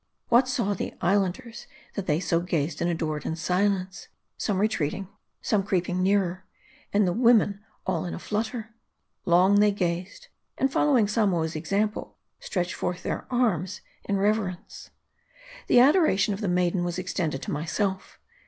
What saw the Islanders, that they so gazed and adored in silence : some retreating, some creeping nearer, and the women all in a nutter ? Long they gazed ; and following Samoa's example, stretched forth their arms in reverence. The adoration of the maiden was extended to myself.